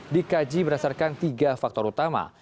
dikaji berdasarkan tiga faktor utama